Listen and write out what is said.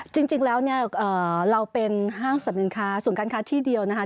จริงแล้วเนี่ยเอ่อเราเป็นห้างสำเนินค้าส่วนการค้าที่เดียวนะฮะ